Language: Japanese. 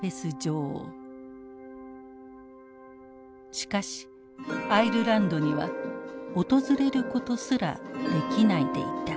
しかしアイルランドには訪れることすらできないでいた。